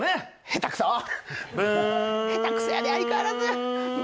下手くそ、下手くそやで相変わらず。